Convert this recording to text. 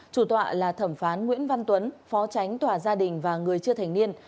chủ tọa là thẩm phán nguyễn văn tuấn phó tránh tòa gia đình và người chưa thành niên